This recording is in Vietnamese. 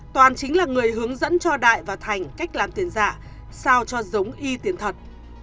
toàn chính là người hướng dẫn cho đại và thành cách làm tiền giả sao cho giống y tiền thật